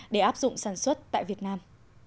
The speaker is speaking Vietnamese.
để áp dụng sản xuất tại việt nam